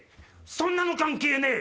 そんなの関係ねえ